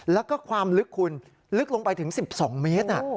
แล้วก็ความลึกคุณลึกลงไปถึง๑๒เมตร